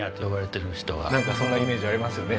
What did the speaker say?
なんかそんなイメージありますよね